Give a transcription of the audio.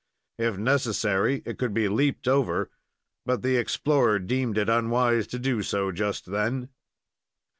If necessary, it could be leaped over, but the explorer deemed it unwise to do so just then.